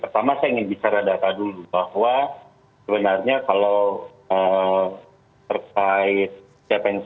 pertama saya ingin bicara data dulu bahwa sebenarnya kalau percaya tpnc